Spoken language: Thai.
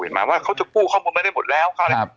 หมายว่าเขาจะกู้ข้อมูลไม่ได้หมดแล้ว